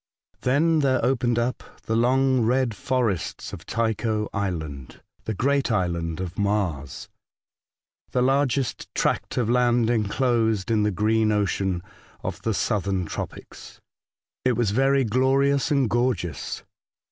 Then there opened up the long red forests of Tycho Island — the great island of Mars — the largest tract of land enclosed in the green ocean of the southern tropics. It was very glorious and gorgeous.